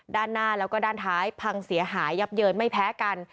ด้านหน้าแล้วก็ด้านท้ายพังเสียหายยับเยินไม่แพ้กัน